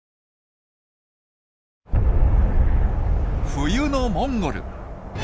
冬のモンゴル。